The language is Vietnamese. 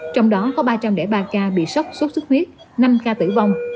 trong đó có ba trăm linh ba ca bị sốt sốt sức huyết năm ca tử vong